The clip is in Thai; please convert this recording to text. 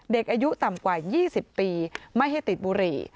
เด็กอายุต่ำกว่า๒๐ปีไม่ให้ติดบุหรี่